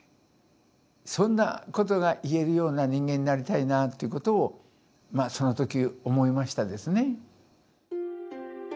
そんなことが言えるような人間になりたいなということをその時思いましたですね。